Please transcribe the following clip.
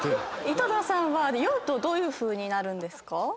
井戸田さんは酔うとどういうふうになるんですか？